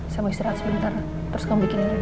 saya mau istirahat sebentar terus kamu bikin aja minum ya